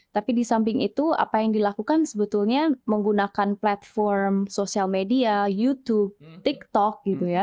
tapi di samping itu apa yang dilakukan sebetulnya menggunakan platform media sosial youtube tiktok